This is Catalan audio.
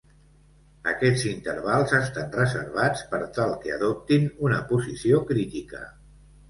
Aquests intervals estan reservats per tal que adoptin una posició crítica.